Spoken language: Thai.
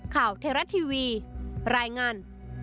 ข่าวเทราะทีวีรายงาน